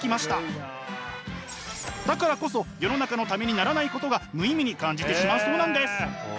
だからこそ世の中のためにならないことが無意味に感じてしまうそうなんです。